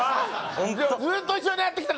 ずっと一緒にやってきた。